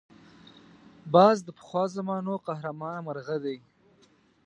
باز د پخوا زمانو قهرمان مرغه دی